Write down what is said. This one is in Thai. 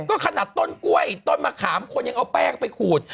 ก็ขนาดต้นกล้วยต้นมะขามคนยังเอาแป้งไปขูด